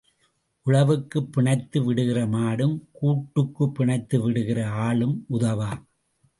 உழவுக்குப் பிணைத்து விடுகிற மாடும் கூட்டுக்குப் பிணைத்து விடுகிற ஆளும் உதவா.